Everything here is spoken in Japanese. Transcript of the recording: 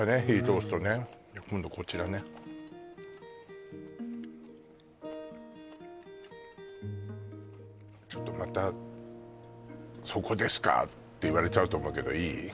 火通すとね今度こちらねちょっとまたそこですかって言われちゃうと思うけどいい？